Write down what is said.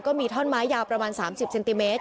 ก็มีท่อนไม้ยาวประมาณ๓๐เซนติเมตร